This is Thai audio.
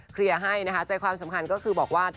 เคลียร์ให้นะคะใจความสำคัญก็คือบอกว่า